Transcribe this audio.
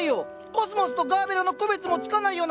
コスモスとガーベラの区別もつかないような僕だよ！